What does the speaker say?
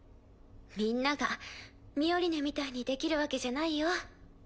みんながミオリネみたいにできるわけじゃないよ。